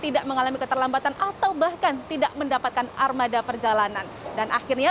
tidak mengalami keterlambatan atau bahkan tidak mendapatkan armada perjalanan dan akhirnya